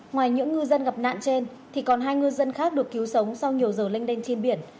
ngoài những ngư dân gặp nạn trên thì còn hai ngư dân khác được cứu sống sau nhiều giờ lênh đênh trên biển